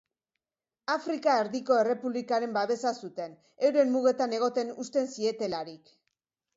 Afrika Erdiko Errepublikaren babesa zuten, euren mugetan egoten uzten zietelarik.